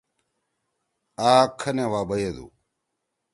آ کھنے وا بیَدو۔